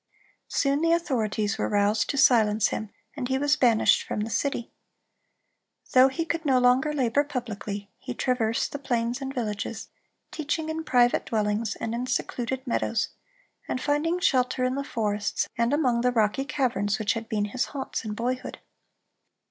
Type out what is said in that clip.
Soon the authorities were roused to silence him, and he was banished from the city. Though he could no longer labor publicly, he traversed the plains and villages, teaching in private dwellings and in secluded meadows, and finding shelter in the forests and among the rocky caverns which had been his haunts in boyhood.